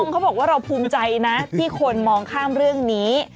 เขาบอกว่าเราภูมิใจนะที่คนมองข้ามเรื่องนี้